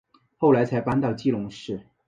后来才搬到基隆市。